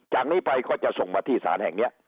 จากนี้ไปก็จะส่งมาที่ศาลแห่งนี้